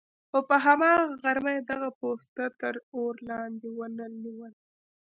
خو په هماغه غرمه یې دغه پوسته تر اور لاندې ونه نیوله.